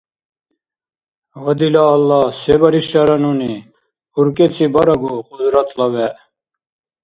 Ва дила Аллагь, се баришара нуни? УркӀецӀи барагу, Кьудратла вегӀ.